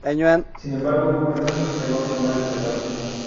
Sin embargo, Fernando se negó a firmar el tratado.